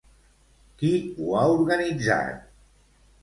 Qui ho ha organitzat?